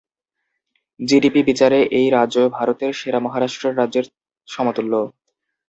GDP বিচারে এই রাজ্য ভারতের সেরা মহারাষ্ট্রের রাজ্যের সমতুল্য।